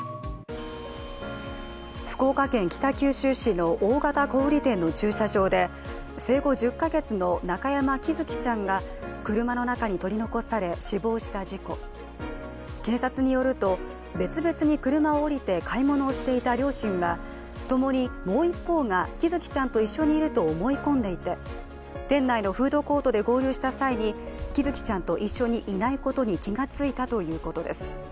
福岡県北九州市の大型小売店の駐車場で生後１０か月の中山喜寿生ちゃんが車の中に取り残され死亡した事故、警察によると別々に車を降りて、買い物をしていた両親がともに、もう一方が喜寿生ちゃんと一緒にいると思い込んでいて、店内のフードコートで合流した際に喜寿生ちゃんと一緒にいないことに気がついたということです。